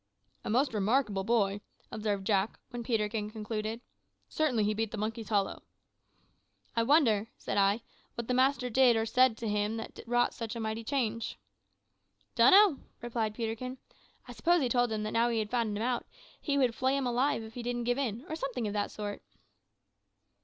"A most remarkable boy," observed Jack when Peterkin concluded. "Certainly he beat the monkeys hollow." "I wonder," said I, "what the master said or did to him that wrought such a mighty change." "Don't know," replied Peterkin; "I suppose he told him that now he had found him out, he would flay him alive if he didn't give in, or something of that sort."